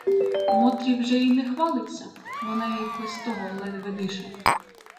Мотрі вже й не хвалиться: вона й без того ледве дише.